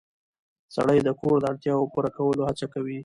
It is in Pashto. سړی د کور د اړتیاوو پوره کولو هڅه کوي